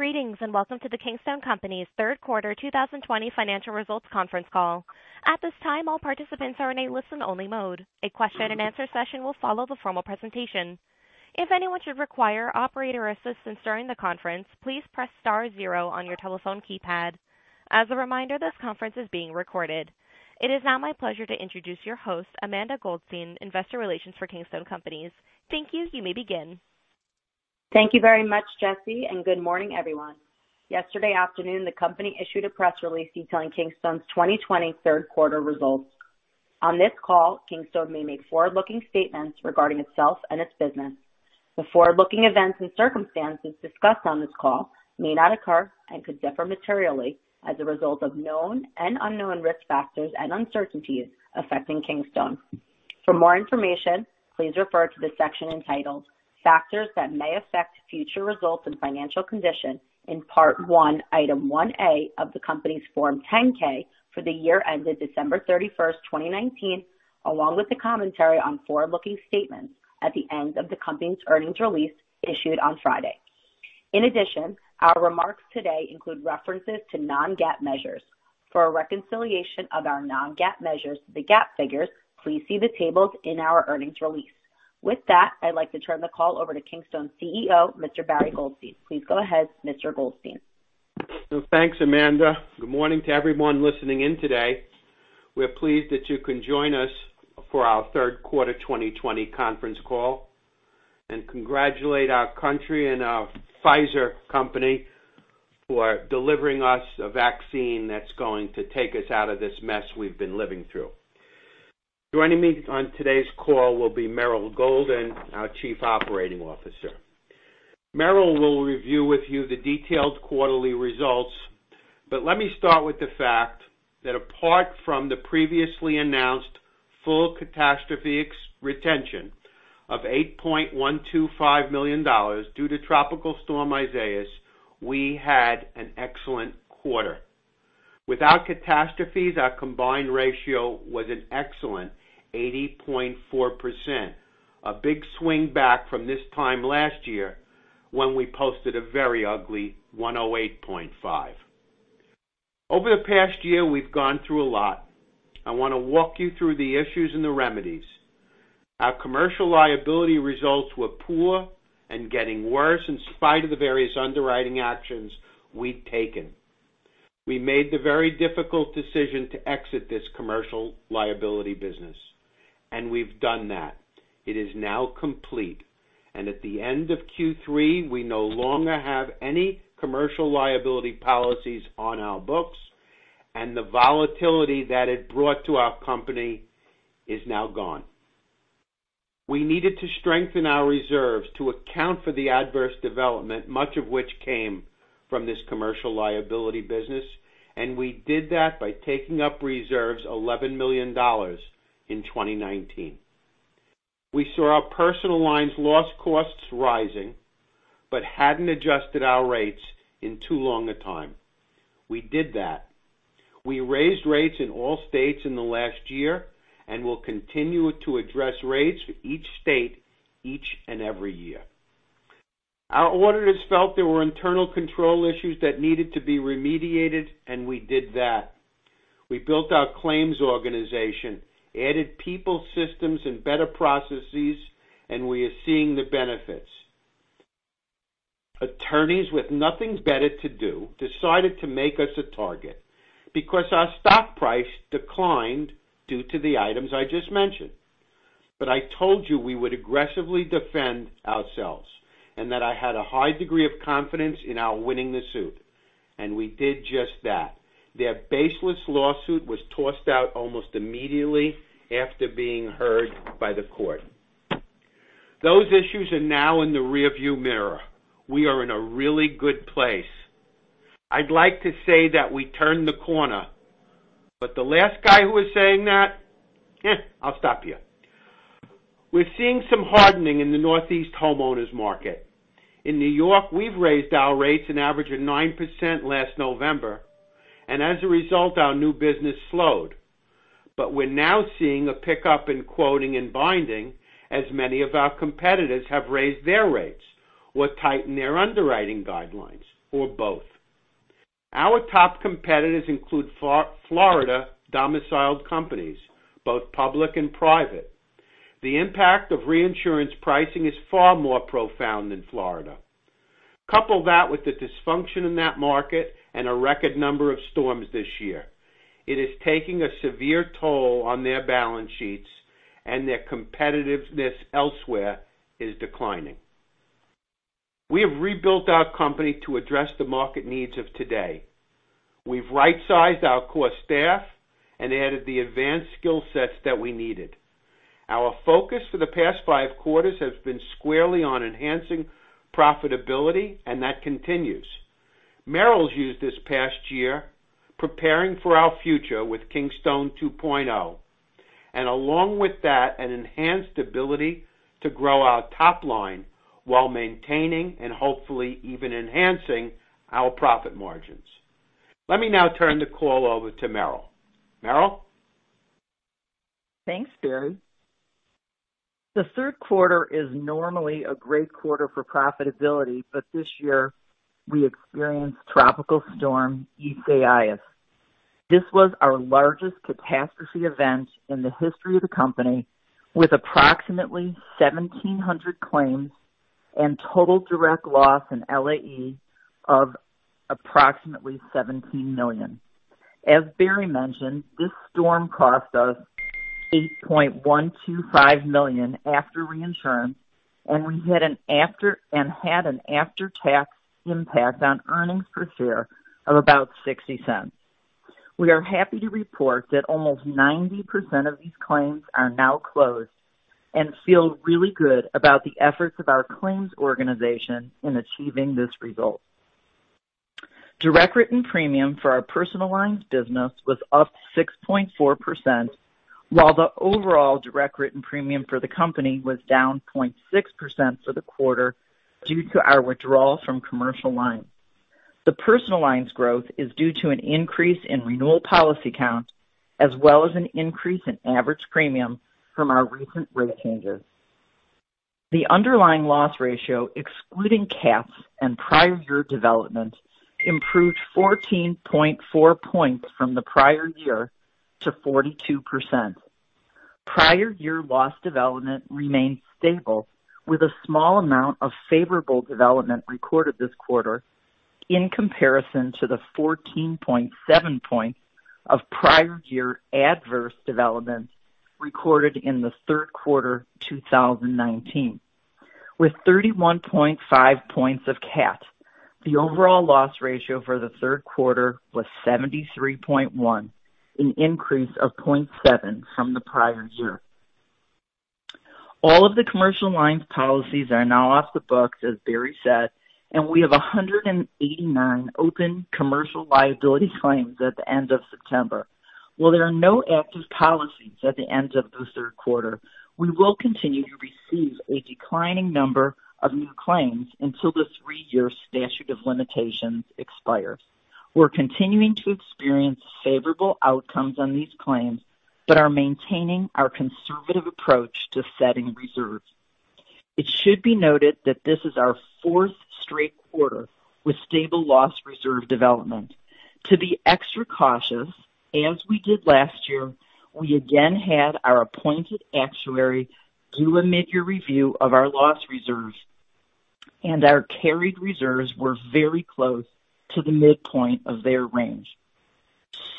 Greetings and welcome to the Kingstone Companies Q3 2020 Financial Results Conference Call. At this time, all participants are in a listen-only mode. A question-and-answer session will follow the formal presentation. If anyone should require operator assistance during the conference, please press star zero on your telephone keypad. As a reminder, this conference is being recorded. It is now my pleasure to introduce your host, Amanda Goldstein, Investor Relations for Kingstone Companies. Thank you. You may begin. Thank you very much, Jesse, and good morning, everyone. Yesterday afternoon, the company issued a press release detailing Kingstone's 2020 Q3 results. On this call, Kingstone may make forward-looking statements regarding itself and its business. The forward-looking events and circumstances discussed on this call may not occur and could differ materially as a result of known and unknown risk factors and uncertainties affecting Kingstone. For more information, please refer to the section entitled, "Factors That May Affect Future Results and Financial Condition," in Part One, Item 1A of the company's Form 10-K for the year ended December 31st, 2019, along with the commentary on forward-looking statements at the end of the company's earnings release issued on Friday. In addition, our remarks today include references to non-GAAP measures. For a reconciliation of our non-GAAP measures to the GAAP figures, please see the tables in our earnings release. With that, I'd like to turn the call over to Kingstone's CEO, Mr. Barry Goldstein. Please go ahead, Mr. Goldstein. Thanks, Amanda. Good morning to everyone listening in today. We're pleased that you can join us for our Q3 2020 Conference Call and congratulate our country and our Pfizer company for delivering us a vaccine that's going to take us out of this mess we've been living through. Joining me on today's call will be Meryl Golden, our Chief Operating Officer. Meryl will review with you the detailed quarterly results, but let me start with the fact that apart from the previously announced full catastrophe retention of $8.125 million due to Tropical Storm Isaias, we had an excellent quarter. Without catastrophes, our combined ratio was an excellent 80.4%, a big swing back from this time last year when we posted a very ugly 108.5%. Over the past year, we've gone through a lot. I want to walk you through the issues and the remedies. Our Commercial Liability results were poor and getting worse in spite of the various underwriting actions we'd taken. We made the very difficult decision to exit this Commercial Liability business, and we've done that. It is now complete, and at the end of Q3, we no longer have any Commercial Liability policies on our books, and the volatility that it brought to our company is now gone. We needed to strengthen our reserves to account for the adverse development, much of which came from this Commercial Liability business, and we did that by taking up reserves of $11 million in 2019. We saw our Personal Lines loss costs rising but hadn't adjusted our rates in too long a time. We did that. We raised rates in all states in the last year and will continue to address rates for each state each and every year. Our auditors felt there were internal control issues that needed to be remediated, and we did that. We built our claims organization, added people, systems, and better processes, and we are seeing the benefits. Attorneys with nothing better to do decided to make us a target because our stock price declined due to the items I just mentioned. But I told you we would aggressively defend ourselves and that I had a high degree of confidence in our winning the suit, and we did just that. Their baseless lawsuit was tossed out almost immediately after being heard by the court. Those issues are now in the rearview mirror. We are in a really good place. I'd like to say that we turned the corner, but the last guy who is saying that, I'll stop you. We're seeing some hardening in the Northeast homeowners market. In New York, we've raised our rates an average of 9% last November, and as a result, our new business slowed. But we're now seeing a pickup in quoting and binding as many of our competitors have raised their rates or tightened their underwriting guidelines, or both. Our top competitors include Florida domiciled companies, both public and private. The impact of reinsurance pricing is far more profound than Florida. Couple that with the dysfunction in that market and a record number of storms this year. It is taking a severe toll on their balance sheets, and their competitiveness elsewhere is declining. We have rebuilt our company to address the market needs of today. We've right-sized our core staff and added the advanced skill sets that we needed. Our focus for the past five quarters has been squarely on enhancing profitability, and that continues. Meryl's used this past year preparing for our future with Kingstone 2.0, and along with that, an enhanced ability to grow our top line while maintaining and hopefully even enhancing our profit margins. Let me now turn the call over to Meryl. Meryl? Thanks, Barry. The Q3 is normally a great quarter for profitability, but this year we experienced Tropical Storm Isaias. This was our largest catastrophe event in the history of the company with approximately 1,700 claims and total direct loss and LAE of approximately $17 million. As Barry mentioned, this storm cost us $8.125 million after reinsurance, and we had an after-tax impact on earnings per share of about $0.60. We are happy to report that almost 90% of these claims are now closed. And feel really good about the efforts of our claims organization in achieving this result. Direct written premium for our personal lines business was up 6.4%, while the overall direct written premium for the company was down 0.6% for the quarter due to our withdrawal from commercial lines. The personal lines growth is due to an increase in renewal policy count as well as an increase in average premium from our recent rate changes. The underlying loss ratio, excluding CAPS and prior year development, improved 14.4 points from the prior year to 42%. Prior year loss development remained stable with a small amount of favorable development recorded this quarter in comparison to the 14.7 points of prior year adverse development recorded in the Q3 2019. With 31.5 points of CAPS, the overall loss ratio for the Q3 was 73.1, an increase of 0.7 from the prior year. All of the commercial lines policies are now off the books, as Barry said, and we have 189 open commercial liability claims at the end of September. While there are no active policies at the end of the Q3, we will continue to receive a declining number of new claims until the three-year statute of limitations expires. We're continuing to experience favorable outcomes on these claims but are maintaining our conservative approach to setting reserves. It should be noted that this is our fourth straight quarter with stable loss reserve development. To be extra cautious, as we did last year, we again had our appointed actuary do a mid-year review of our loss reserves, and our carried reserves were very close to the midpoint of their range.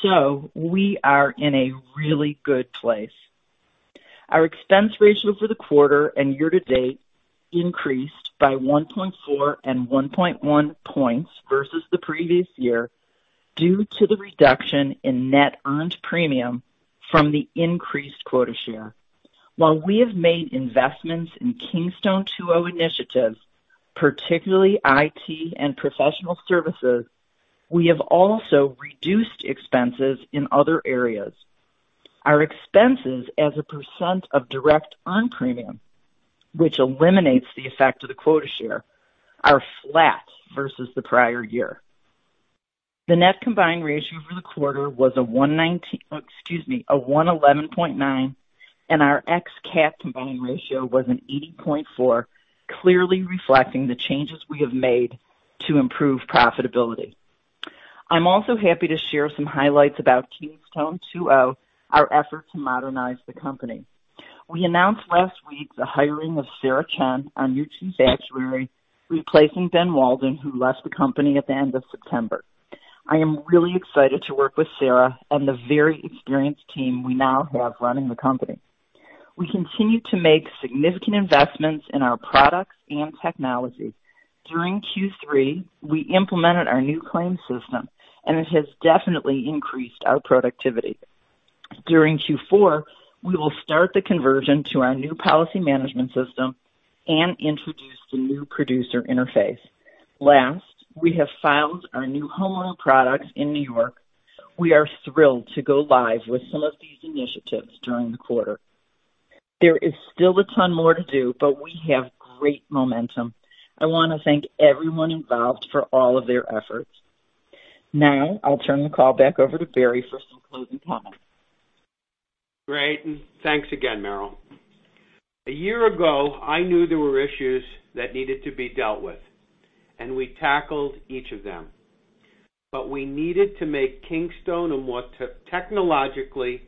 So we are in a really good place. Our expense ratio for the quarter and year to date increased by 1.4 and 1.1 points versus the previous year due to the reduction in net earned premium from the increased quota share. While we have made investments in Kingstone 2.0 initiatives, particularly IT and professional services, we have also reduced expenses in other areas. Our expenses as a % of direct earned premium, which eliminates the effect of the quota share, are flat versus the prior year. The net combined ratio for the quarter was a 111.9, and our ex-catastrophe combined ratio was an 80.4, clearly reflecting the changes we have made to improve profitability. I'm also happy to share some highlights about Kingstone 2.0, our effort to modernize the company. We announced last week the hiring of Sarah Chen as our new Chief Actuary replacing Ben Walden, who left the company at the end of September. I am really excited to work with Sarah and the very experienced team we now have running the company. We continue to make significant investments in our products and technology. During Q3, we implemented our new claim system, and it has definitely increased our productivity. During Q4, we will start the conversion to our new policy management system and introduce the new producer interface. Last, we have filed our new homeowner products in New York. We are thrilled to go live with some of these initiatives during the quarter. There is still a ton more to do, but we have great momentum. I want to thank everyone involved for all of their efforts. Now, I'll turn the call back over to Barry for some closing comments. Great, and thanks again, Meryl. A year ago, I knew there were issues that needed to be dealt with, and we tackled each of them. But we needed to make Kingstone a more technologically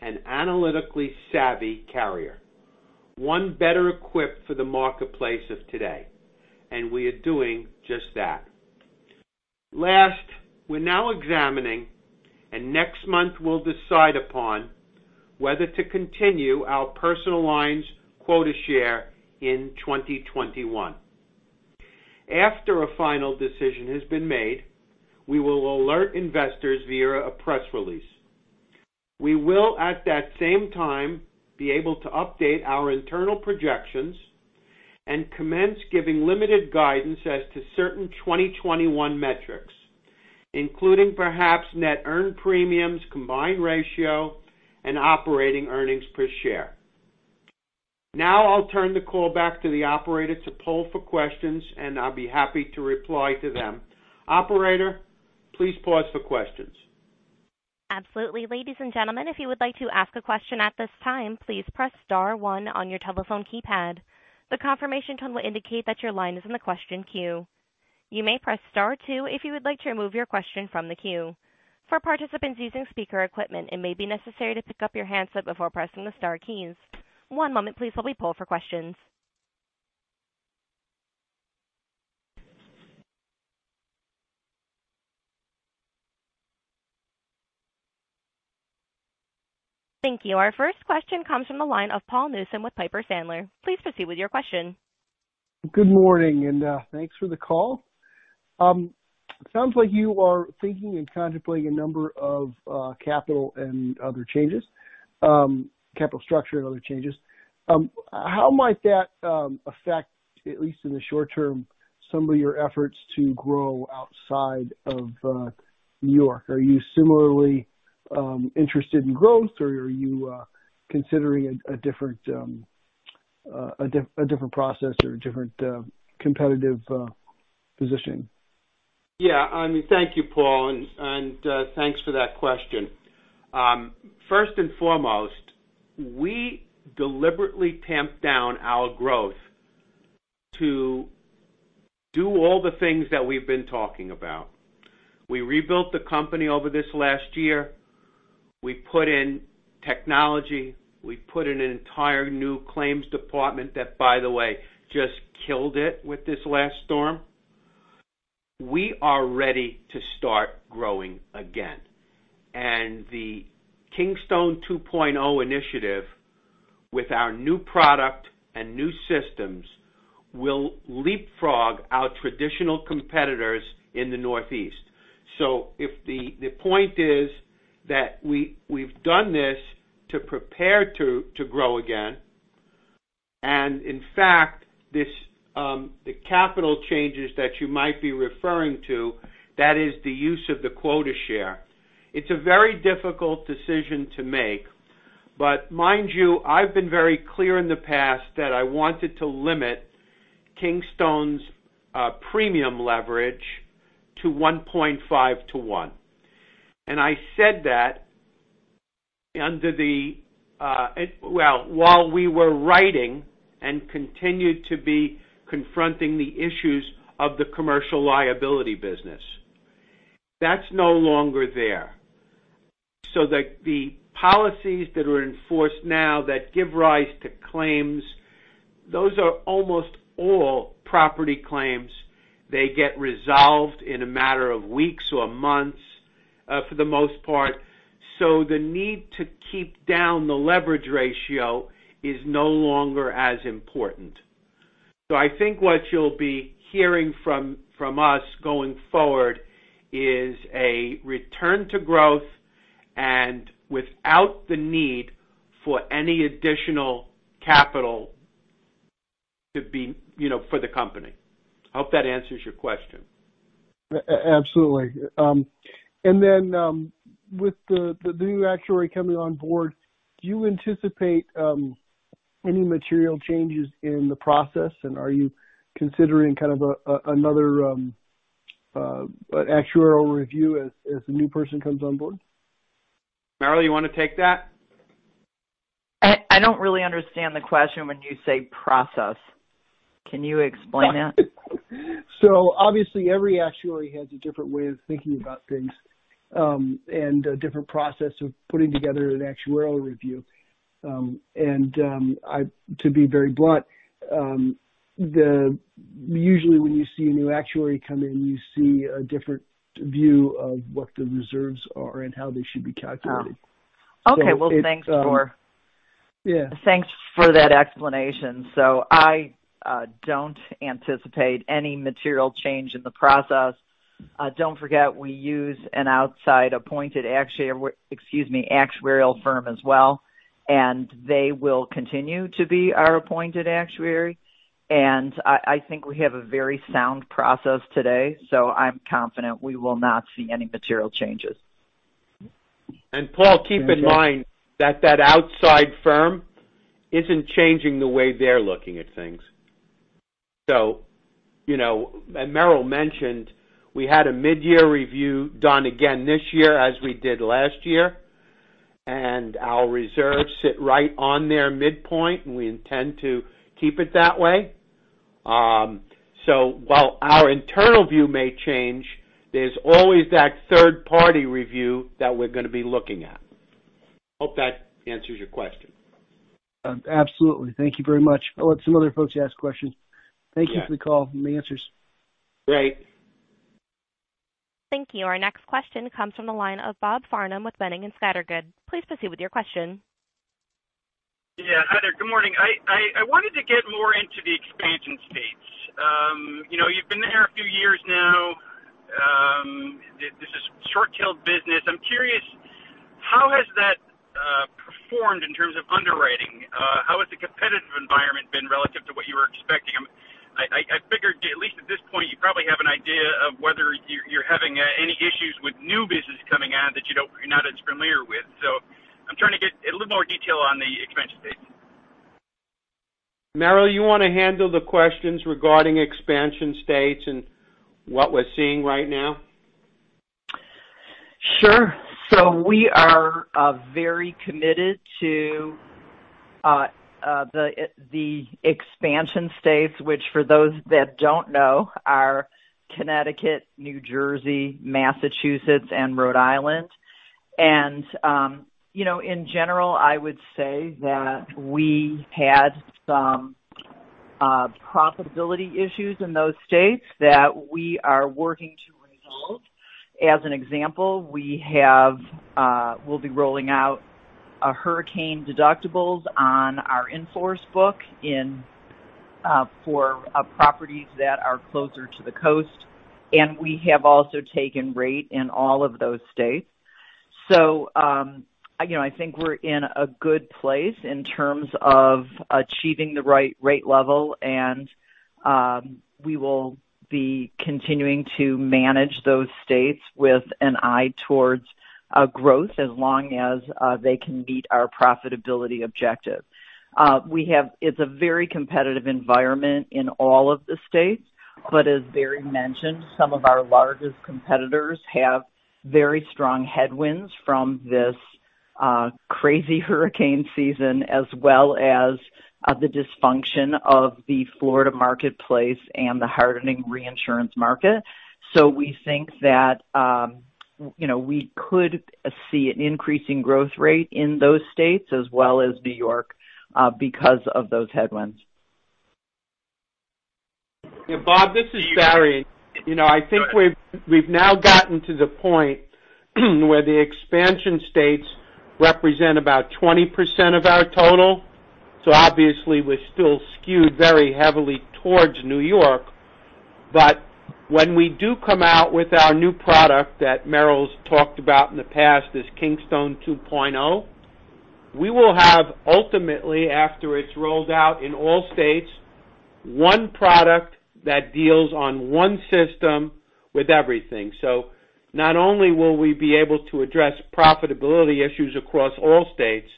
and analytically savvy carrier, one better equipped for the marketplace of today, and we are doing just that. Last, we're now examining, and next month we'll decide upon whether to continue our personal lines quota share in 2021. After a final decision has been made, we will alert investors via a press release. We will, at that same time, be able to update our internal projections and commence giving limited guidance as to certain 2021 metrics, including perhaps net earned premiums, combined ratio, and operating earnings per share. Now, I'll turn the call back to the operator to poll for questions, and I'll be happy to reply to them. Operator, please pause for questions. Absolutely. Ladies and gentlemen, if you would like to ask a question at this time, please press star one on your telephone keypad. The confirmation tone will indicate that your line is in the question queue. You may press star two if you would like to remove your question from the queue. For participants using speaker equipment, it may be necessary to pick up your handset before pressing the star keys. One moment, please, while we poll for questions. Thank you our first question comes from the line of Paul Newsom with Piper Sandler. Please proceed with your question. Good morning, and thanks for the call. It sounds like you are thinking and contemplating a number of capital and other changes? capital structure and other changes. How might that affect, at least in the short term, some of your efforts to grow outside of New York? Are you similarly interested in growth? or are you considering a different process or a different competitive position? Yeah. Thank you, Paul, and thanks for that question. First and foremost, we deliberately tamped down our growth to do all the things that we've been talking about. We rebuilt the company over this last year. We put in technology. We put in an entire new claims department that, by the way, just killed it with this last storm. We are ready to start growing again, and the Kingstone 2.0 initiative with our new product and new systems will leapfrog our traditional competitors in the Northeast, so the point is that we've done this to prepare to grow again, and in fact, the capital changes that you might be referring to, that is the use of the quota share. It's a very difficult decision to make, but mind you, I've been very clear in the past that I wanted to limit Kingstone's premium leverage to 1.5 to 1. And I said that under the, well, while we were writing and continued to be confronting the issues of the commercial liability business. That's no longer there. So the policies that are in force now that give rise to claims, those are almost all property claims. They get resolved in a matter of weeks or months for the most part. So the need to keep down the leverage ratio is no longer as important. So I think what you'll be hearing from us going forward is a return to growth and without the need for any additional capital for the company. I hope that answers your question. Absolutely. And then with the new actuary coming on board, do you anticipate any material changes in the process, and are you considering kind of another actuarial review as a new person comes on board? Meryl, you want to take that? I don't really understand the question when you say process. Can you explain that? Obviously, every actuary has a different way of thinking about things and a different process of putting together an actuarial review. To be very blunt, usually when you see a new actuary come in, you see a different view of what the reserves are and how they should be calculated. Okay. Well, thanks for that explanation. So I don't anticipate any material change in the process. Don't forget we use an outside appointed actuary firm as well, and they will continue to be our appointed actuary, and I think we have a very sound process today, so I'm confident we will not see any material changes. Paul, keep in mind that that outside firm isn't changing the way they're looking at things. Meryl mentioned we had a mid-year review done again this year as we did last year, and our reserves sit right on their midpoint, and we intend to keep it that way. While our internal view may change, there's always that third-party review that we're going to be looking at. Hope that answers your question. Absolutely. Thank you very much. I'll let some other folks ask questions. Thank you for the call and the answers. Great. Thank you. Our next question comes from the line of Bob Farnham with Boenning & Scattergood. Please proceed with your question. Yeah. Hi there good morning i wanted to get more into the expansion states. You've been there a few years now. This is short-tailed business i'm curious, how has that performed in terms of underwriting? How has the competitive environment been relative to what you were expecting? I figured at least at this point, you probably have an idea of whether you're having any issues with new business coming on that you're not as familiar with. So I'm trying to get a little more detail on the expansion states. Meryl, you want to handle the questions regarding expansion states and what we're seeing right now? Sure. So we are very committed to the expansion states, which for those that don't know are Connecticut, New Jersey, Massachusetts, and Rhode Island, and in general, I would say that we had some profitability issues in those states that we are working to resolve. As an example, we'll be rolling out hurricane deductibles on our in-force book for properties that are closer to the coast, and we have also taken rate in all of those states, so I think we're in a good place in terms of achieving the right rate level, and we will be continuing to manage those states with an eye towards growth as long as they can meet our profitability objective. It's a very competitive environment in all of the states, but as Barry mentioned, some of our largest competitors have very strong headwinds from this crazy hurricane season as well as the dysfunction of the Florida marketplace and the hardening reinsurance market, so we think that we could see an increasing growth rate in those states as well as New York because of those headwinds. Bob, this is Barry. I think we've now gotten to the point where the expansion states represent about 20% of our total. So obviously, we're still skewed very heavily towards New York. But when we do come out with our new product that Meryl's talked about in the past, this Kingstone 2.0, we will have ultimately, after it's rolled out in all states, one product that deals on one system with everything. So not only will we be able to address profitability issues across all states,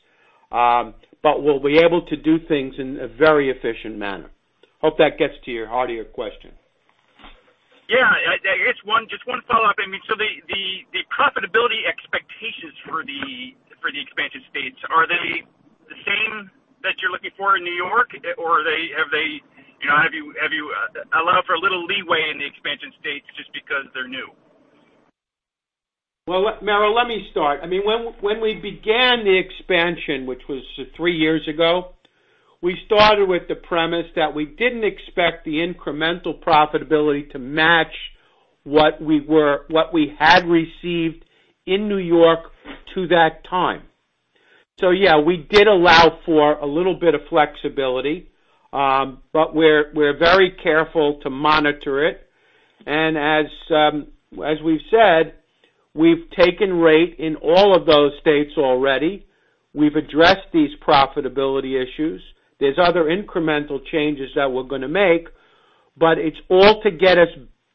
but we'll be able to do things in a very efficient manner. Hope that gets to the heart of your question. Yeah. Just one follow-up, so the profitability expectations for the expansion states, are they the same that you're looking for in New York? or have they allowed for a little leeway in the expansion states just because they're new? Meryl, let me start. When we began the expansion, which was three years ago, we started with the premise that we didn't expect the incremental profitability to match what we had received in New York to that time. Yeah, we did allow for a little bit of flexibility, but we're very careful to monitor it. As we've said, we've taken rate in all of those states already. We've addressed these profitability issues. There's other incremental changes that we're going to make, but it's all to get us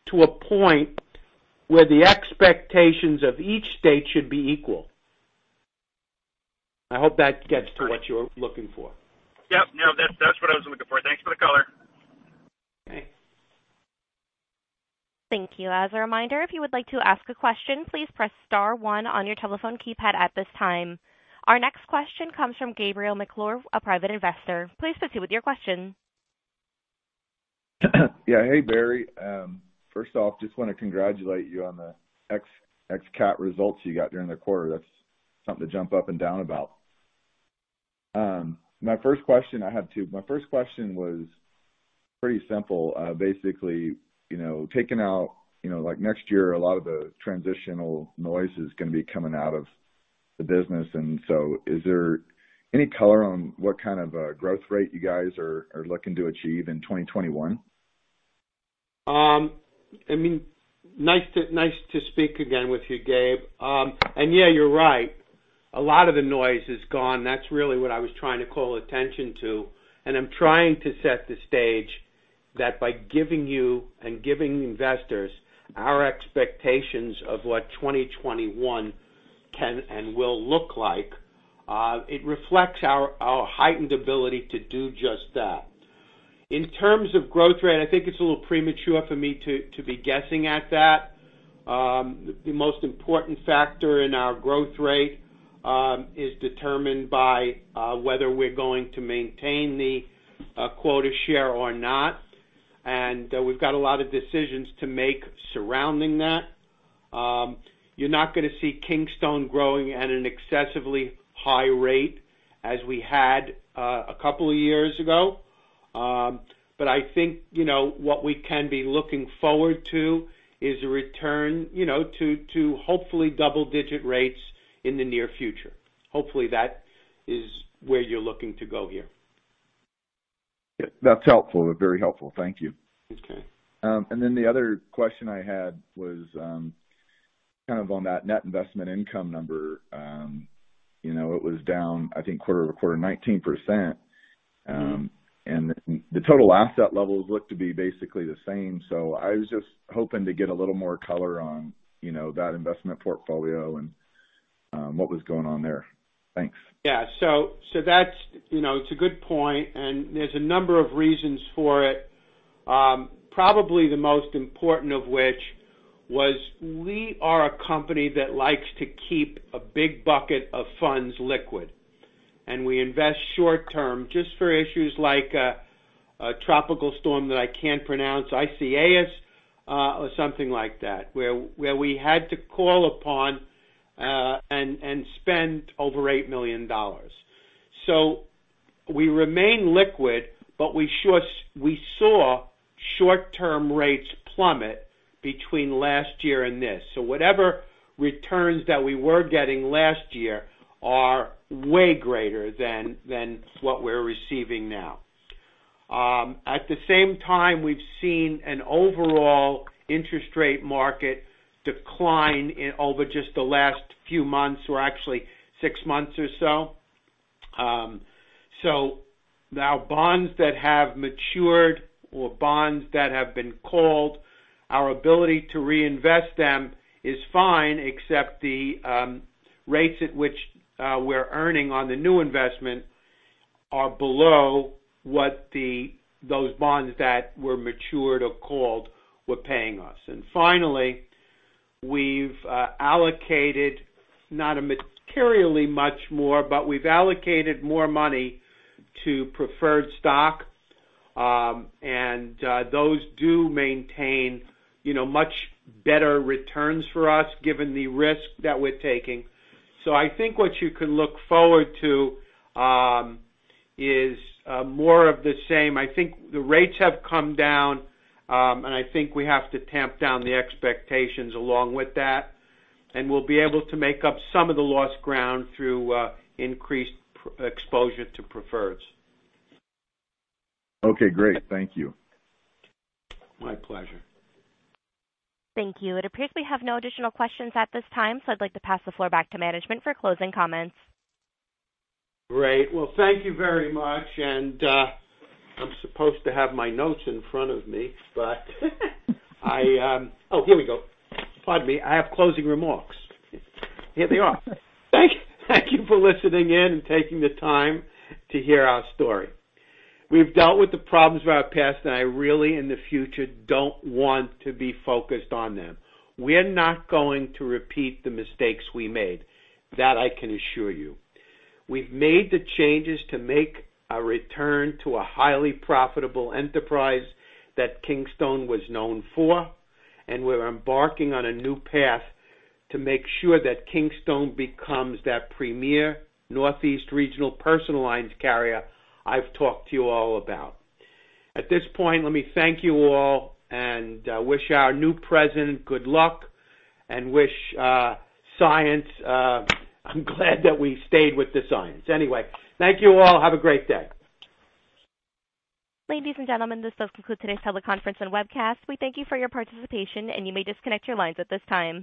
to a point where the expectations of each state should be equal. I hope that gets to what you're looking for. Yep. No, that's what I was looking for. Thanks for the color. Okay. Thank you. As a reminder, if you would like to ask a question, please press star one on your telephone keypad at this time. Our next question comes from Gabriel McClure, a private investor. Please proceed with your question. Yeah. Hey, Barry. First off, just want to congratulate you on the ex-cat results you got during the quarter. That's something to jump up and down about. My first question was pretty simple basically, taking out next year, a lot of the transitional noise is going to be coming out of the business and so is there any color on what kind of growth rate you guys are looking to achieve in 2021? I mean, nice to speak again with you, Gabe, and yeah, you're right. A lot of the noise is gone that's really what I was trying to call attention to, and I'm trying to set the stage that by giving you and giving investors our expectations of what 2021 can and will look like, it reflects our heightened ability to do just that. In terms of growth rate, I think it's a little premature for me to be guessing at that. The most important factor in our growth rate is determined by whether we're going to maintain the quota share or not, and we've got a lot of decisions to make surrounding that. You're not going to see Kingstone growing at an excessively high rate as we had a couple of years ago. But I think what we can be looking forward to is a return to hopefully double-digit rates in the near future. Hopefully, that is where you're looking to go here. That's helpful. Very helpful. Thank you. And then the other question I had was kind of on that net investment income number. It was down, I think, quarter over quarter, 19%. And the total asset levels look to be basically the same so I was just hoping to get a little more color on that investment portfolio and what was going on there. Thanks. Yeah. So it's a good point. And there's a number of reasons for it, probably the most important of which was we are a company that likes to keep a big bucket of funds liquid. And we invest short-term just for issues like a tropical storm that I can't pronounce, Isaias, or something like that, where we had to call upon and spend over $8 million. So we remain liquid, but we saw short-term rates plummet between last year and this. So whatever returns that we were getting last year are way greater than what we're receiving now. At the same time, we've seen an overall interest rate market decline over just the last few months or actually six months or so. So now, bonds that have matured or bonds that have been called, our ability to reinvest them is fine, except the rates at which we're earning on the new investment are below what those bonds that were matured or called were paying us and finally, we've allocated not materially much more, but we've allocated more money to preferred stock. And those do maintain much better returns for us given the risk that we're taking. So I think what you can look forward to is more of the same i think the rates have come down, and I think we have to tamp down the expectations along with that. And we'll be able to make up some of the lost ground through increased exposure to preferreds. Okay. Great. Thank you. My pleasure. Thank you. It appears we have no additional questions at this time, so I'd like to pass the floor back to management for closing comments. Great. Well, thank you very much, and I'm supposed to have my notes in front of me, but oh, here we go. Pardon me i have closing remarks. Here they are. Thank you for listening in and taking the time to hear our story. We've dealt with the problems of our past, and I really in the future don't want to be focused on them. We're not going to repeat the mistakes we made. That I can assure you. We've made the changes to make a return to a highly profitable enterprise that Kingstone was known for, and we're embarking on a new path to make sure that Kingstone becomes that premier Northeast regional personalized carrier I've talked to you all about. At this point, let me thank you all and wish our new president good luck and wish success. I'm glad that we stayed with the science anyway, thank you all. Have a great day. Ladies and gentlemen, this does conclude today's public conference and webcast. We thank you for your participation, and you may disconnect your lines at this time.